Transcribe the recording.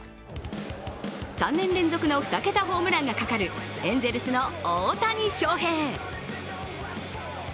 ３年連続２桁ホームランがかかるエンゼルスの大谷翔平。